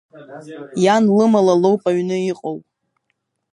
Иан лымала лоуп аҩны иҟоу.